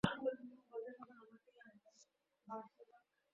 সেই টাকাটি তারা কোথা থেকে সংগ্রহ করেছে, সেটিও খতিয়ে দেখা দরকার।